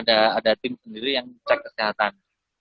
ada tim sendiri yang cek kesehatan